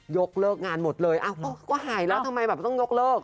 ยกเลิกงานหมดเลยอ้าวก็หายแล้วทำไมแบบต้องยกเลิก